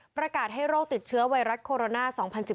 ประกาศให้โรคติดเชื้อไวรัสโคโรนา๒๐๑๙